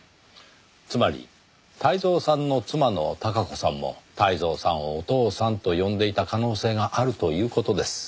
つまり泰造さんの妻の孝子さんも泰造さんをお父さんと呼んでいた可能性があるという事です。